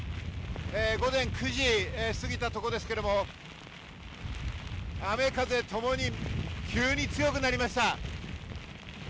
午前９時を過ぎたところですけど雨風ともに急に強くなりました。